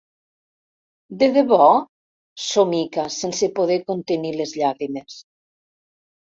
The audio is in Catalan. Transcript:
De debò? —somica, sense poder contenir les llàgrimes.